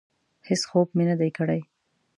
هېڅ خوب مې نه دی کړی.